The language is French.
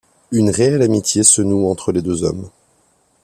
Une réelle amitié se noue entre les deux hommes.